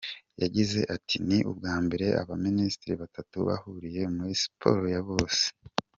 Yagize ati "Ni ubwa mbere abaminisitiri batatu bahuriye muri siporo ya bose.